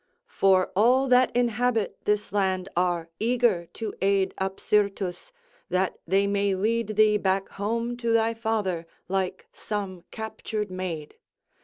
For all that inhabit this land are eager to aid Apsyrtus, that they may lead thee back home to thy father, like some captured maid.